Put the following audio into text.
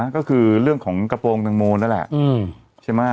ก็คือหัวของกระโปรงจังโมนะแหละ